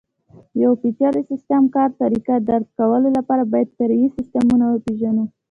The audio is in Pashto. د یوه پېچلي سیسټم کار طریقه درک کولو لپاره باید فرعي سیسټمونه وپېژنو.